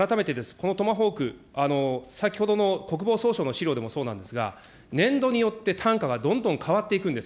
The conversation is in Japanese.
このトマホーク、先ほどの国防総省の資料でもそうなんですが、年度によって単価がどんどん変わっていくんです。